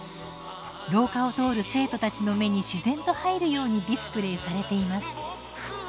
廊下を通る生徒たちの目に自然と入るようにディスプレーされています。